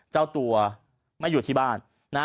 เจ้าตัวไม่อยู่ที่บ้าน